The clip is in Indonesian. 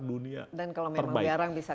dunia terbaik dan kalau memang biarang bisa